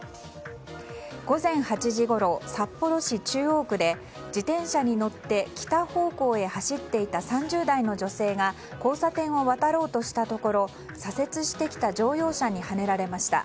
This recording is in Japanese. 午前８時ごろ札幌市中央区で自転車に乗って北方向に走っていた３０代の女性が交差点を渡ろうとしたところ左折してきた乗用車にはねられました。